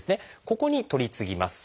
ここに取り次ぎます。